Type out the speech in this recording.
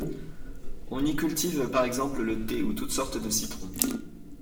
On y cultive par exemple le thé ou toute sorte de citrons.